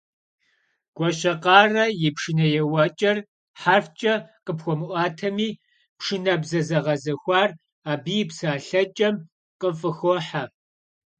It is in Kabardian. Гуащэкъарэ и пшынэ еуэкӀэр хьэрфкӀэ къыпхуэмыӀуатэми, пшынэбзэ зэгъэзэхуар абы и псэлъэкӀэм къыфӀыхохьэ.